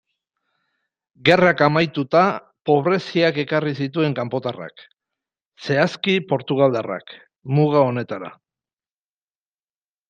Gerrak amaituta, pobreziak ekarri zituen kanpotarrak, zehazki portugaldarrak, muga honetara.